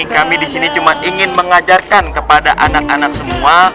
kami disini cuma ingin mengajarkan kepada anak anak semua